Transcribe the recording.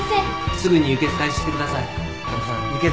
すぐに輸血開始してください。